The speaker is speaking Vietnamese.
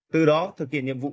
từ đó thực hiện nhiệm vụ